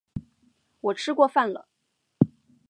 我吃过饭了